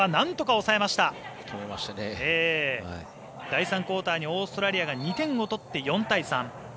第３クオーターにオーストラリアが２点を取って４対３。